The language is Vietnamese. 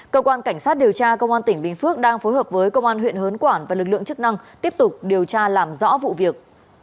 cơ quan cảnh sát điều tra công an tỉnh bình phước đang phối hợp với công an huyện hớn quản và lực lượng chức năng tiếp tục điều tra làm rõ vụ việc